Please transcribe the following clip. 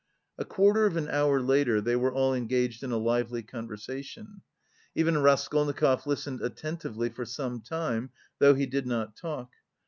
A quarter of an hour later, they were all engaged in a lively conversation. Even Raskolnikov listened attentively for some time, though he did not talk.